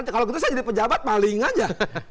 kalau kita saja jadi pejabat paling aja